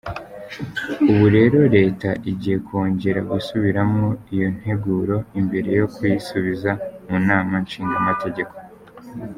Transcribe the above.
Ubu rero leta igiye kwongera gusubiramwo iyo nteguro imbere yo kuyisubiza mu nama nshingamateka.